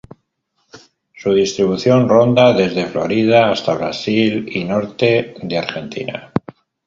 Su distribución ronda desde Florida hasta Brasil y norte de Argentina.